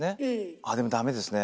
あでもダメですね